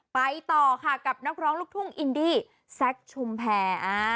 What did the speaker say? ไปต่อค่ะกับนักร้องลูกทุ่งอินดี้แซคชุมแพร